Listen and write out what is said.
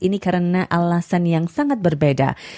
ini karena alasan yang sangat berbeda